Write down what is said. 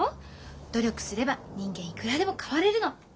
努力すれば人間いくらでも変われるの。